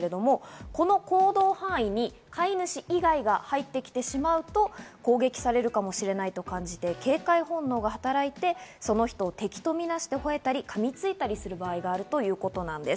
この行動範囲に飼い主以外が入ってきてしまうと、攻撃されるかもしれないと感じて、警戒本能が働いて、その人を敵とみなして吠えたり噛みついたりする場合があるということです。